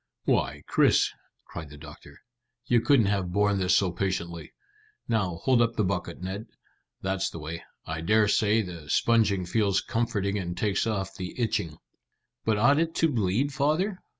"Why, Chris," cried the doctor, "you couldn't have borne this so patiently. Now, hold up the bucket, Ned. That's the way. I dare say the sponging feels comforting and takes off the itching." "But ought it to bleed, father?"